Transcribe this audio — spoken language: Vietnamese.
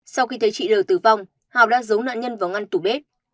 sau khi thấy chị l tử vong hào đã giống nạn nhân vào ngăn tủ bếp